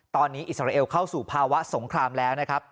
ตอนนี้อิสราเอลเข้าสู่ภาวะสงครามแล้วนะครับ